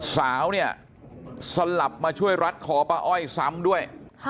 สาวเนี่ยสลับมาช่วยรัดคอป้าอ้อยซ้ำด้วย